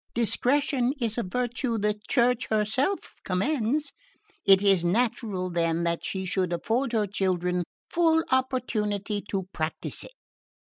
Discretion is a virtue the Church herself commends; it is natural, then, that she should afford her children full opportunity to practise it.